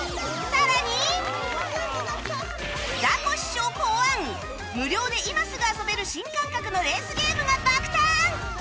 ザコシショウ考案無料で今すぐ遊べる新感覚のレースゲームが爆誕！